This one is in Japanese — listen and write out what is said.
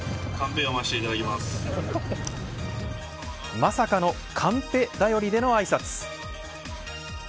まさかのカンペ頼りでのあいさつ。